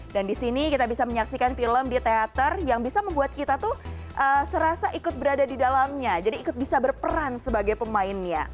dan di sini kita bisa menyaksikan film di teater yang bisa membuat kita tuh serasa ikut berada di dalamnya jadi ikut bisa berperan sebagai pemainnya